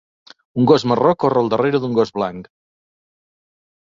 Un gos marró corre al darrera d'un gos blanc.